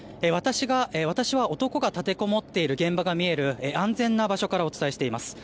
私は男が立てこもっている現場が見える安全な場所からお伝えしています。